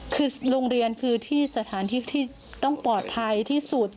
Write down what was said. คือโรงเรียนคือที่สถานที่ที่ต้องปลอดภัยที่สุด